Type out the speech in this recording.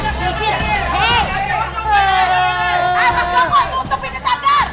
mas joko tutup ini sanggar